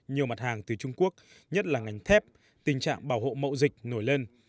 nhiều mặt hàng từ trung quốc nhất là ngành thép tình trạng bảo hộ mậu dịch nổi lên